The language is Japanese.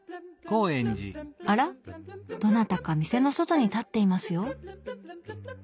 あらどなたか店の外に立っていますよ。